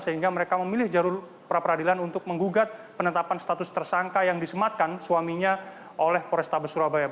sehingga mereka memilih jalur pra peradilan untuk menggugat penetapan status tersangka yang disematkan suaminya oleh polrestabes surabaya